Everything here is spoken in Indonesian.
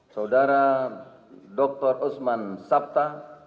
saudara dr usman sabta